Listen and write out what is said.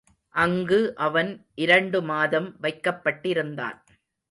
அங்கு அவன் இரண்டுமாதம் வைக்கப்பட்டிருந்தான்.